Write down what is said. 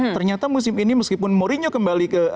ternyata musim ini meskipun mourinho kembali ke